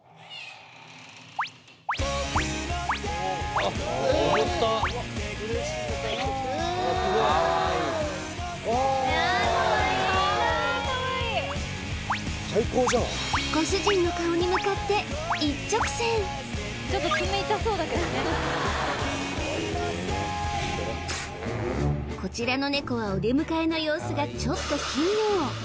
あっご主人の顔に向かって一直線こちらのネコはお出迎えの様子がちょっと奇妙